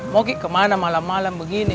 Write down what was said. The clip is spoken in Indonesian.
mau kemana malam malam begini